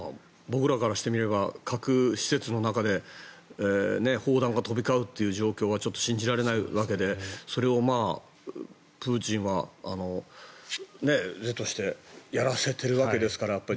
僕らからしてみれば核施設の中で砲弾が飛び交うという状況は信じられないわけでそれをプーチンは是としてやらせているわけですから。